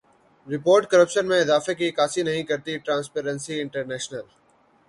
report corruption میں اضافے کی عکاسی نہیں کرتی ٹرانسپیرنسی انٹرنیشنل